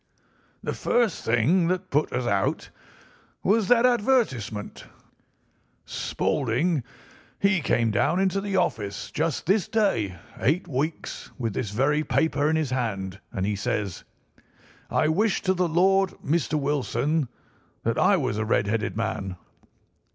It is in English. "The first thing that put us out was that advertisement. Spaulding, he came down into the office just this day eight weeks, with this very paper in his hand, and he says: "'I wish to the Lord, Mr. Wilson, that I was a red headed man.